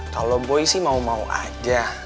kalau boy sih mau mau aja